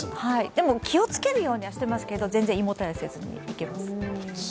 でも気をつけるようにしていますけど全然胃もたれせずに、いけます。